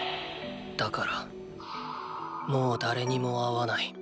だからもう誰にも会わない。